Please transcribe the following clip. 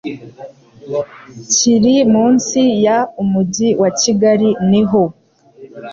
kiri munsi ya Umujyi wa Kigali niho